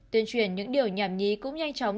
tuyên truyền những điều nhảm nhí cũng nhanh chóng